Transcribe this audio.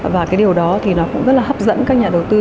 và cái điều đó thì nó cũng rất là hấp dẫn các nhà đầu tư